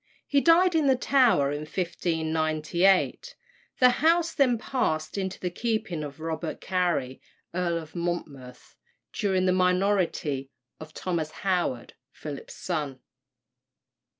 He died in the Tower in 1598. The house then passed into the keeping of Robert Cary, Earl of Monmouth, during the minority of Thomas Howard, Philip's son.